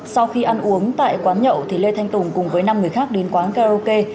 sau khi ăn uống tại quán nhậu lê thanh tùng cùng với năm người khác đến quán karaoke